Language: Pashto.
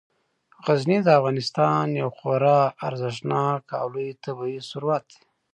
غزني د افغانستان یو خورا ارزښتناک او لوی طبعي ثروت دی.